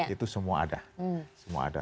itu semua ada